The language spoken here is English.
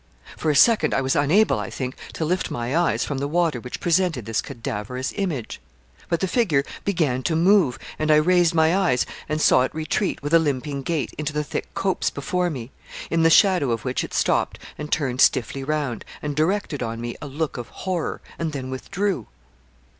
For a second I was unable, I think, to lift my eyes from the water which presented this cadaverous image. But the figure began to move, and I raised my eyes, and saw it retreat, with a limping gait, into the thick copse before me, in the shadow of which it stopped and turned stiffly round, and directed on me a look of horror, and then withdrew.